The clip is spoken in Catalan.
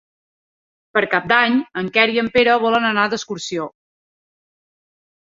Per Cap d'Any en Quer i en Pere volen anar d'excursió.